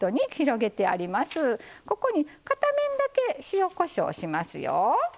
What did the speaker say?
ここに片面だけ塩・こしょうしますよ。